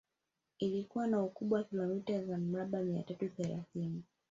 Ilikuwa na ukubwa wa kilomita za mraba mia tatu thelathini